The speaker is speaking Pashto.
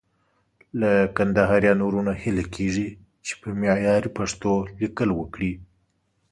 له کندهاريانو وروڼو هيله کېږي چې په معياري پښتو ليکل وکړي.